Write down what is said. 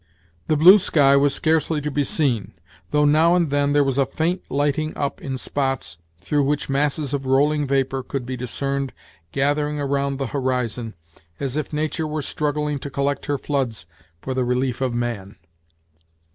The blue sky was scarcely to be seen, though now, and then there was a faint lighting up in spots through which masses of rolling vapor could be discerned gathering around the horizon, as if nature were struggling to collect her floods for the relief of man.